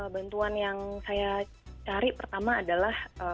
bantuan yang saya cari pertama adalah